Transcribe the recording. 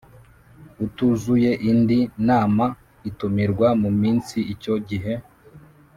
utuzuye indi nama itumirwa mu minsi icyo gihe